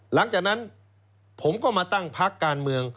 หลังจากนั้นผมก็มาตั้งพักการเมือง